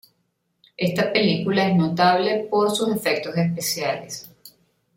Esta película es notable por sus efectos especiales.